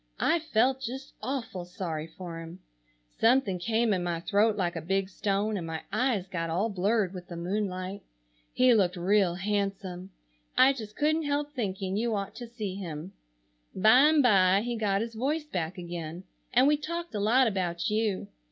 I felt just awful sorry for him. Something came in my throat like a big stone and my eyes got all blurred with the moonlight. He looked real handsome. I just couldn't help thinking you ought to see him. Bimeby he got his voice back again, and we talked a lot about you.